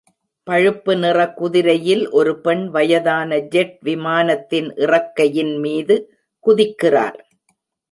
பழுப்பு நிற குதிரையில் ஒரு பெண் வயதான ஜெட் விமானத்தின் இறக்கையின் மீது குதிக்கிறார்.